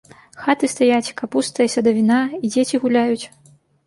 Хаты стаяць, капуста і садавіна, і дзеці гуляюць.